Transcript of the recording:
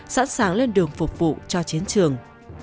sẵn sàng lên đường phục vụ cho chiến trường